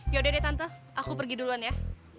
yaudah deh tante aku pergi duluan ya